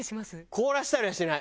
凍らせたりはしない。